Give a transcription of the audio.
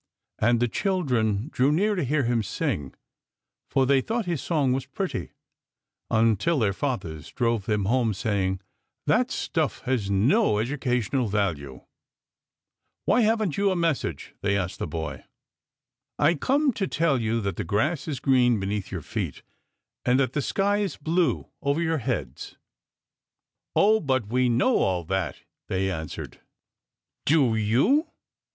And the children drew near to hear him sing, for they thought his song was pretty, until their fathers drove them home, saying, " That stuff has no educa tional value." " Why haven't you a message ?" they asked the boy. " I come to tell you that the grass is green beneath your feet and that the sky is blue over your heads." " Oh ! but we know all that," they answered. " Do you